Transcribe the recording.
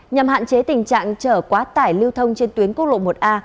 nhằm hạn chế tình trạng chở quá tải lưu thông trên tuyến quốc lộ một a